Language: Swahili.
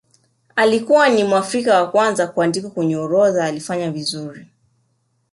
alikuwa no muafrika wa kwanza kuandikwa kwenye orodha alifanya vizuri